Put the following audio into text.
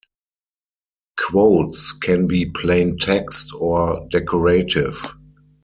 Quotes can be plain text or decorative.